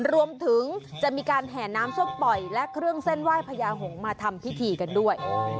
รวมถึงมีการแห่นน้ำซวอปป่อยและเครื่องเส้นไหว้พระยาของขาวมาทำพิธีกันด้วย